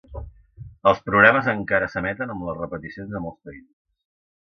Els programes encara s'emeten amb les repeticions a molts països.